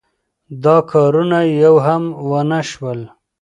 دا کارونه یو هم ونشول.